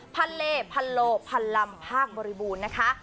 พันเลพันโลพันลำภาคบริบูรณ์นะคะ